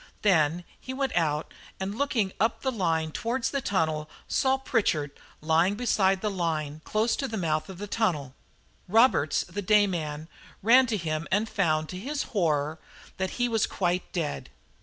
Then he went out, and, looking up the line towards the tunnel, saw Pritchard lying beside the line close to the mouth of the tunnel. Roberts, the day man, ran up to him and found, to his horror, that he was quite dead.